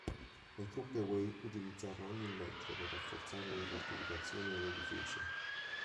Le truppe Wei utilizzarono ogni mezzo per rafforzare le fortificazioni e le difese.